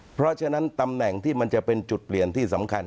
เพราะฉะนั้นตำแหน่งที่มันจะเป็นจุดเปลี่ยนที่สำคัญ